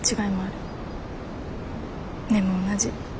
でも同じ。